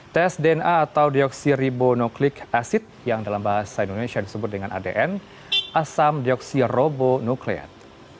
tes dna atau dioksir ribonuklik asid yang dalam bahasa indonesia disebut dengan adn asam dioksir robo nukleat